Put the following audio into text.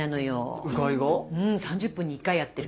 うん３０分に１回やってる。